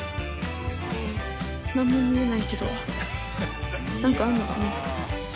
何も見えないけど何かあんのかな。